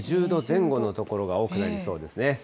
２０度前後の所が多くなりそうですね。